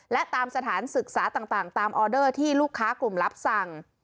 และตามสถานศึกษาต่างตามออเดอร์ที่ลูกค้ากลุ่มรับสั่ง